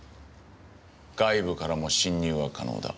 外部からも侵入は可能だ。